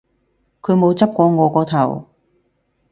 佢冇執過我個頭